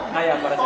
kayak apa rasanya